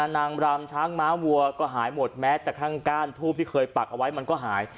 นางรำช้างม้าวัวก็หายหมดแม้แต่ข้างก้านทูบที่เคยปักเอาไว้มันก็หาย